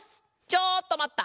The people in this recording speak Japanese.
ちょっとまった！